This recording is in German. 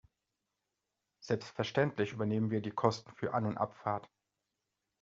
Selbstverständlich übernehmen wir die Kosten für An- und Abfahrt.